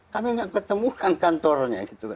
kami tidak ketemukan kantornya gitu kan